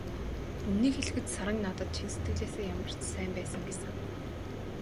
Үнэнийг хэлэхэд, Саран надад чин сэтгэлээсээ ямар сайн байсан гэж санана.